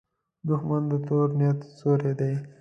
دښمن د تور نیت سیوری دی